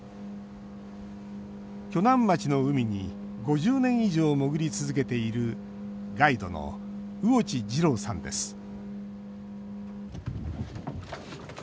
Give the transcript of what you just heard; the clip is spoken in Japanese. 鋸南町の海に５０年以上潜り続けている、ガイドの魚地司郎さんです。